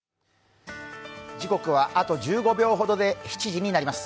時刻はあと１５秒ほどで７時になります。